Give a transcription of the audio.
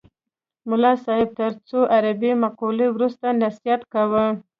ملا صاحب تر څو عربي مقولو وروسته نصیحت کاوه.